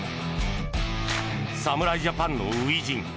侍ジャパンの初陣。